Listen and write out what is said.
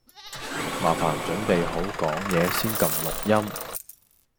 麻煩準備好講嘢先㩒錄音